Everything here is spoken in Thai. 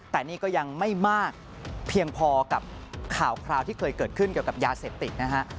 แต่นี่ก็ยังไม่มากเพียงพอกับข่าวคราวที่เคยเกิดขึ้นเกี่ยวกับยาเสพติดนะฮะ